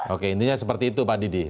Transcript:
oke intinya seperti itu pak didi